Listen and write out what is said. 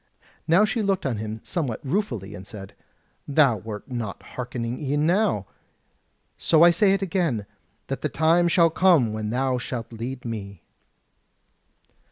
Now she looked on him somewhat ruefully, and said: "Thou wert not hearkening e'en now; so I say it again, that the time shall come when thou shalt lead me."